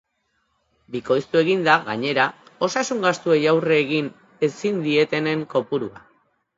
Bikoiztu egin da, gainera, osasun gastuei aurre egin ezin dietenen kopurua.